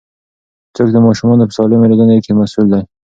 څوک د ماشومانو په سالمې روزنې کې مسوول دي؟